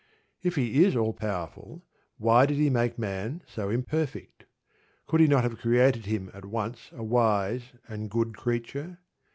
If he is all powerful, why did He make man so imperfect? Could He not have created him at once a wise and good creature?